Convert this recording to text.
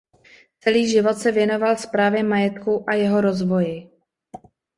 Celý život se věnoval správě majetku a jeho rozvoji.